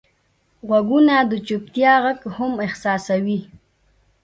غوږونه د چوپتیا غږ هم احساسوي